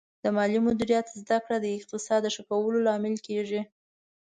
د مالي مدیریت زده کړه د اقتصاد ښه کولو لامل ګرځي.